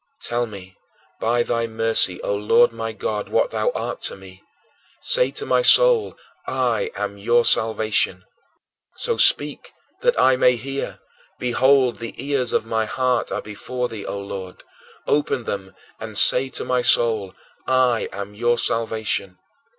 Tell me, by thy mercy, O Lord, my God, what thou art to me. "Say to my soul, I am your salvation." So speak that I may hear. Behold, the ears of my heart are before thee, O Lord; open them and "say to my soul, I am your salvation."